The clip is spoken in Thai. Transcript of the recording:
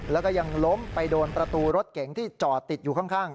แล้วก็ยังล้มไปโดนประตูรถเก๋งที่จอดติดอยู่ข้าง